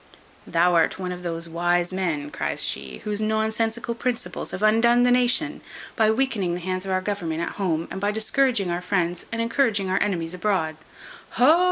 "Thou art one of those wise men," cries she, "whose nonsensical principles have undone the nation; by weakening the hands of our government at home, and by discouraging our friends and encouraging our enemies abroad." "Ho!